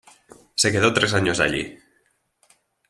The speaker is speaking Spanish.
Se quedó tres años allí.